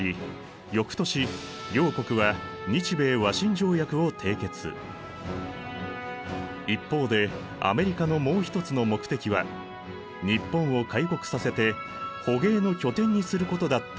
翌年両国は一方でアメリカのもう一つの目的は日本を開国させて捕鯨の拠点にすることだったといわれている。